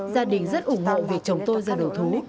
gia đình rất ủng hộ vì chồng tôi ra đầu thú